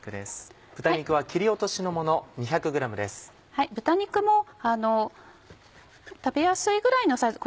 豚肉も食べやすいぐらいのサイズ